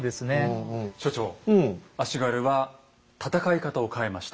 所長足軽は戦い方を変えました。